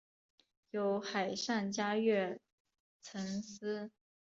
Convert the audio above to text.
有海上嘉月尘诗。